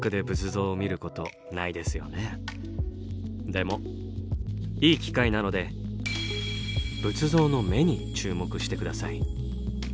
でもいい機会なので仏像の目に注目して下さい。